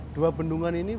dua bendungan ini